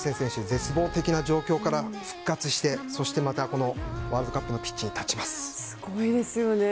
絶望的な状況から復活してそしてまたワールドカップのピッチにすごいですよね。